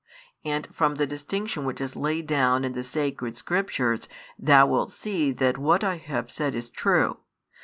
And from the distinction which is laid down in the Sacred Scriptures thou wilt see that what I have said is true.